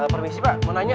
permisi pak mau nanya